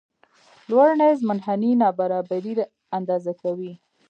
لورینز منحني نابرابري اندازه کوي.